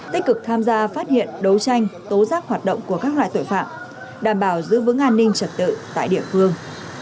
tích cực tham gia phát hiện đấu tranh tố giác hoạt động của các loại tội phạm đảm bảo giữ vững an ninh trật tự tại địa phương